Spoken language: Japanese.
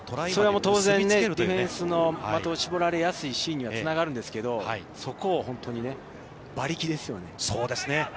当然ディフェンスの的を絞られやすいシーンにはつながるんですけれどもそこを本当に馬力ですよね。